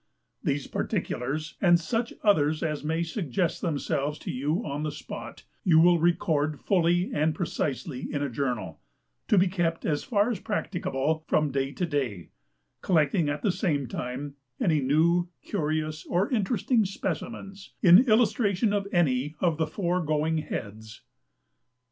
These particulars, and such others as may suggest themselves to you on the spot, you will record fully and precisely in a journal, to be kept, as far as practicable, from day to day, collecting at the same time any new, curious, or interesting specimens, in illustration of any of the foregoing heads.